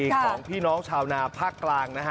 ของพี่น้องชาวนาภาคกลางนะฮะ